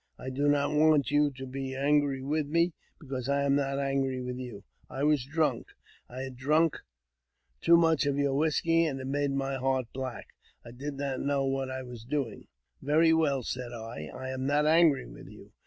I do not want you to be angry with me, because I am not angry with you. I was drunk ; I had drunk too much of your whisky, and it made my heart black. I did not know what I was doing." "Very well," said I; *'I am not angry with you.